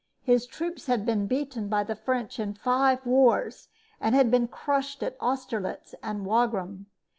His troops had been beaten by the French in five wars and had been crushed at Austerlitz and at Wagram.